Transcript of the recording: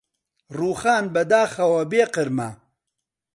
ڕووخان بەداخەوە بێ قرمە